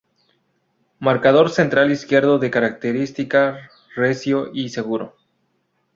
Marcador central izquierdo, de característica recio y seguro.